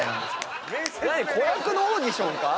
子役のオーディションか？